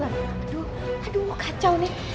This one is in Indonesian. aduh kacau nih